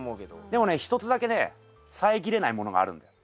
でもね一つだけね遮れないものがあるんだよ。